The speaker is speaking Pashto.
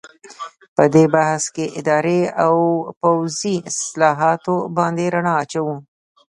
په دې بحث کې اداري او پوځي اصلاحاتو باندې رڼا اچوو.